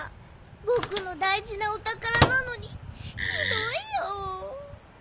ぼくのだいじなおたからなのにひどいよ。